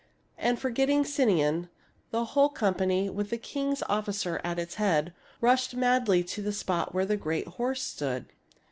And, forgetting Sinon, the whole com pany, with the king's officer at its head, rushed madly to the spot where the great horse stood.